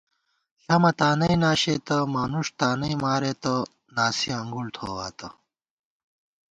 ݪمہ تانئ ناشېتہ مانُݭ تانئ مارېتہ ناسِیَہ انگُڑ تھوواتہ